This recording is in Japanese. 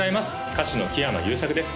歌手の木山裕策です